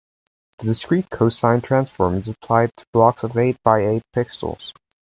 The discrete cosine transform is applied to blocks of eight by eight pixels.